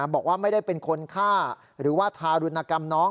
บอกว่าไม่ได้เป็นคนฆ่าหรือว่าทารุณกรรมน้อง